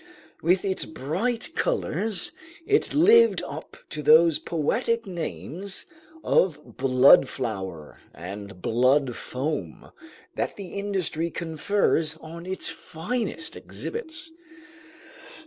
With its bright colors, it lived up to those poetic names of blood flower and blood foam that the industry confers on its finest exhibits.